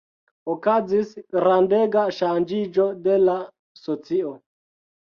Okazis grandega ŝanĝiĝo de la socio.